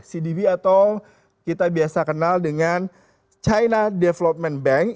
cdb atau kita biasa kenal dengan china development bank